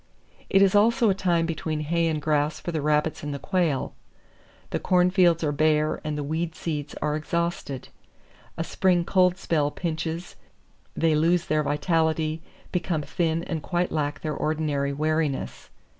It is also a time between hay and grass for the rabbits and the quail. The corn fields are bare and the weed seeds are exhausted. A spring cold spell pinches, they lose their vitality, become thin and quite lack their ordinary wariness.